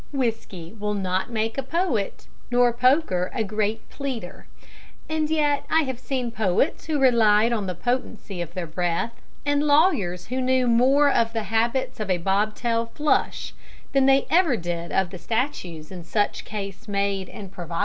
Whiskey will not make a poet, nor poker a great pleader. And yet I have seen poets who relied on the potency of their breath, and lawyers who knew more of the habits of a bobtail flush than they ever did of the statutes in such case made and provided.